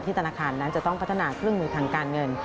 ธนาคารนั้นจะต้องพัฒนาเครื่องมือทางการเงิน